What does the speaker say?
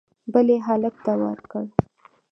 بل یې هلک ته ورکړ